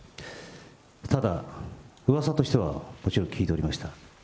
ただ、うわさとしてはもちろん聞いておりました。